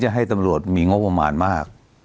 ให้ตำรวจมีงบประมาณมาก